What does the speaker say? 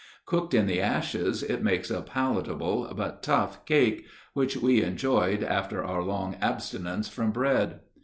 Cooked in the ashes, it makes a palatable but tough cake, which we enjoyed after our long abstinence from bread.